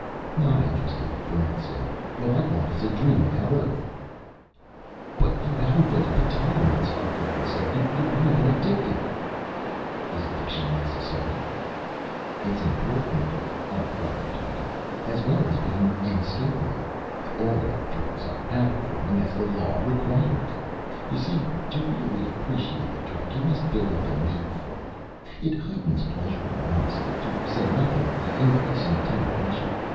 "Not interested," Barrent said. "What I want is a dream about Earth." "But you haven't built up a tolerance!" Arkdragen said. "You aren't even addicted." "Is addiction necessary?" "It's important," Arkdragen told him, "as well as being inescapable. All our drugs are habit forming, as the law requires. You see, to really appreciate a drug, you must build up a need for it. It heightens pleasure enormously, to say nothing of the increase in toleration.